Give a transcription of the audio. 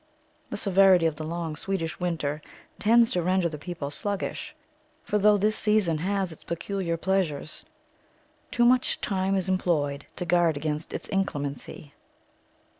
The severity of the long Swedish winter tends to render the people sluggish, for though this season has its peculiar pleasures, too much time is employed to guard against its inclemency.